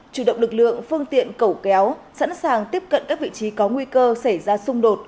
chủ động lực lượng phương tiện cẩu kéo sẵn sàng tiếp cận các vị trí có nguy cơ xảy ra xung đột